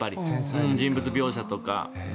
人物描写とか。